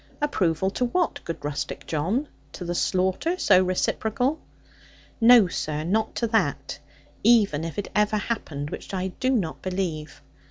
'Approval to what, good rustic John? To the slaughter so reciprocal?' 'No, sir, not to that; even if it ever happened; which I do not believe.